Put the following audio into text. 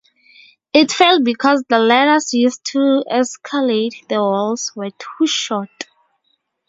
It failed because the ladders used to escalade the walls were too short.